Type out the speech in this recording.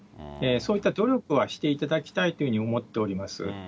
そういった努力はしていただきたいというふうに思っております。